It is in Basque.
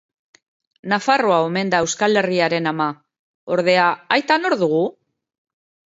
Nafarroa omen da Euskal Herriaren ama. Ordea, aita nor dugu?